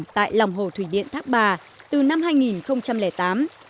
tại lòng hồ thủy điện thác bà từ năm hai nghìn tám